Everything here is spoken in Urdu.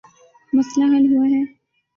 مسئلہ حل ہوا ہے۔